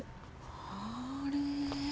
あれ。